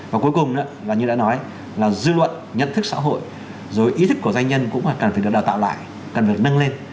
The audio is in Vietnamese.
và cuối cùng là như đã nói là dư luận nhận thức xã hội rồi ý thức của doanh nhân cũng cần phải được đào tạo lại cần được nâng lên